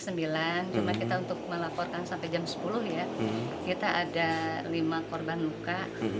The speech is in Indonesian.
cuma kita untuk melaporkan sampai jam sepuluh ya kita ada lima korban luka